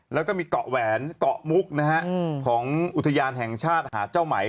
แล้วก็มีเกาะแหวนเกาะมุกนะฮะของอุทยานแห่งชาติหาดเจ้าไหม